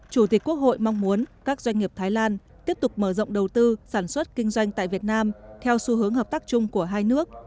chủ tịch quốc hội mong muốn các doanh nghiệp thái lan tiếp tục mở rộng đầu tư sản xuất kinh doanh tại việt nam theo xu hướng hợp tác chung của hai nước